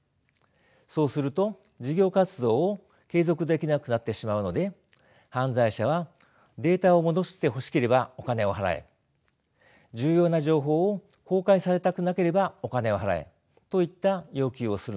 そうすると事業活動を継続できなくなってしまうので犯罪者は「データを戻してほしければお金を払え」「重要な情報を公開されたくなければお金を払え」といった要求をするのです。